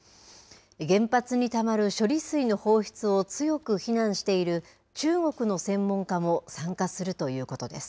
原発にたまる処理水の放出を強く非難している中国の専門家も参加するということです。